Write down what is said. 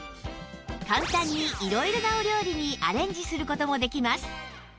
簡単に色々なお料理にアレンジする事もできます